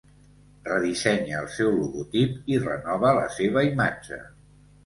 Redissenya el seu logotip i renova la seva imatge.